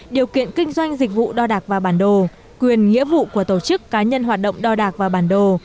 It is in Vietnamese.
điều kiện kinh doanh dịch vụ đo đạc và bản đồ quyền nghĩa vụ của tổ chức cá nhân hoạt động đo đạc và bản đồ